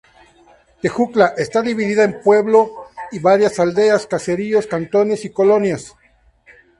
Tejutla está dividida en un pueblo y varias aldeas, caseríos, cantones y colonias.